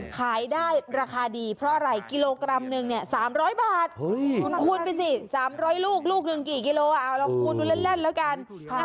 ขายได้ราคาดีเพราะอะไรกิโลกรัมหนึ่ง๓๐๐บาทคุณคูณไปสิ๓๐๐ลูกลูกหนึ่งกี่กิโลเอาลองคูณดูเล่นแล้วกัน